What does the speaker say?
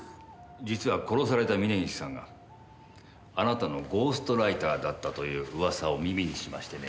実は殺された峰岸さんがあなたのゴーストライターだったという噂を耳にしましてね。